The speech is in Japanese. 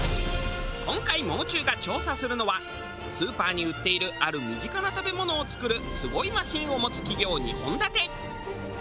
今回もう中が調査するのはスーパーに売っているある身近な食べ物を作るすごいマシンを持つ企業２本立て。